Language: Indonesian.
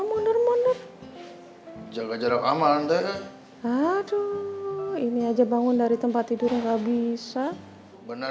expose rnya jelajah karena nyantai aduh ini aja bangun dari tempat tidur nggak bisa bener